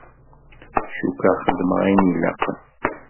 Cukkeɣ xedmeɣ ayen ilaqen.